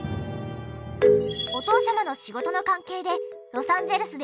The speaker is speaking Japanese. お父様の仕事の関係で。